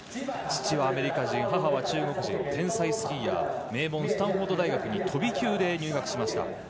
父はアメリカ人、母は中国人の天才スキーヤー名門スタンフォード大学に飛び級で入学しました。